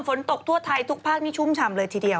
ฝนตกทั่วไทยทุกภาคนี้ชุ่มฉ่ำเลยทีเดียว